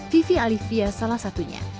vivi alivia salah satunya